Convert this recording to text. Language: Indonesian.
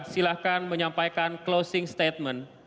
silahkan menyampaikan closing statement